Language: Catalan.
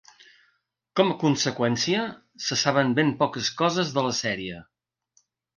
Com a conseqüència, se saben ben poques coses de la sèrie.